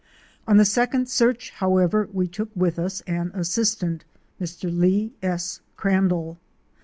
On the second search, however, we took with us an assistant, Mr. Lee S. Crandall.